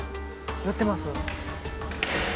やってます。